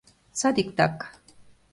Садиктак.